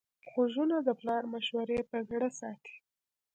غوږونه د پلار مشورې په زړه ساتي